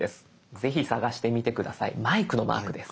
ぜひ探してみて下さいマイクのマークです。